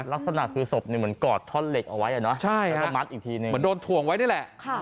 ลักษณะคือศพเหมือนกอดท่อนเหล็กเอาไว้ใช่มันโดนถ่วงไว้นี่แหละ